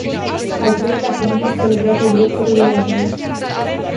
Al treilea punct este legat de drepturile omului.